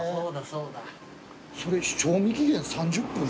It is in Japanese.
それ「賞味期限３０分」３０分？